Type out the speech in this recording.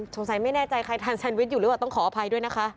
สงสัยไม่แน่ใจใครทานแซนวิชอยู่หรือเปล่าต้องขออภัยด้วยนะคะ